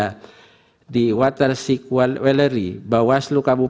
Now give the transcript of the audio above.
berita terkini mengenai penyelidikan pidio dan seterusnya tahun dua ribu dua puluh empat